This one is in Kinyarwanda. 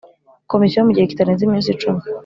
Komisiyo mu gihe kitarenze iminsi icumi